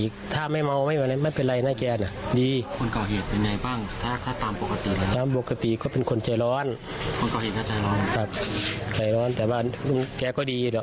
คนก่อเหตุก็ใจร้อนครับใจร้อนแต่ว่าแกก็ดี